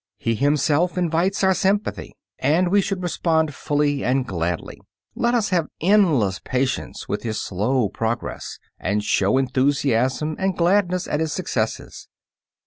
He himself invites our sympathy, and we should respond fully and gladly. Let us have endless patience with his slow progress, and show enthusiasm and gladness at his successes.